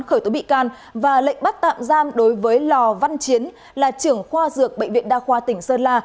khởi tố bị can và lệnh bắt tạm giam đối với lò văn chiến là trưởng khoa dược bệnh viện đa khoa tỉnh sơn la